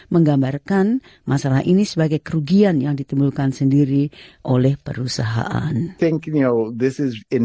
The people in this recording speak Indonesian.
menggambarkan masalah ini sebagai kerugian yang ditemukan sendiri oleh perusahaan